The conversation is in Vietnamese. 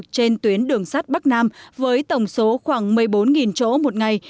trên tuyến đường sắt bắc nam với tổng số khoảng một mươi bốn chỗ một ngày